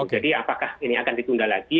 jadi apakah ini akan ditunda lagi